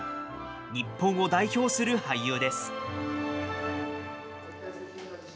日本を代表する俳優です。